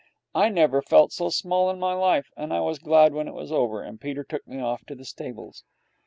I never felt so small in my life, and I was glad when it was over and Peter took me off to the stables.